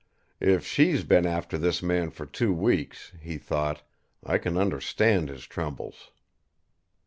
"If she's been after this man for two weeks," he thought, "I can understand his trembles!"